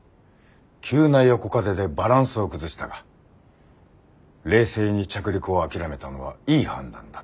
急な横風でバランスを崩したが冷静に着陸を諦めたのはいい判断だった。